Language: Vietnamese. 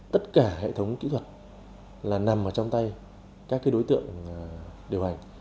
tất cả hệ thống kỹ thuật là nằm trong tay các đối tượng điều hành